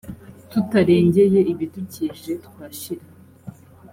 tutarengeye ibidukije twashira